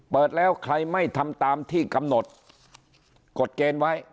เปิดแล้วใครไม่ทำตามที่กำหนดกฎเกณฑ์ไว้